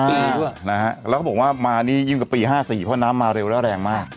แล้วเขาบอกว่ามานี่ยิ่งกับปี๕๔เพราะว่าน้ำมาเร็วแล้วแรงมาก